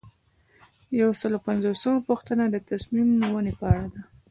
یو سل او پنځوسمه پوښتنه د تصمیم نیونې په اړه ده.